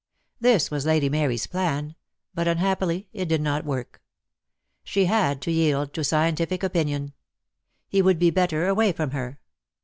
This was Lady Mary's plan, but unhappily it did not work. She had to yield to scientific opinion. He would be better away from her.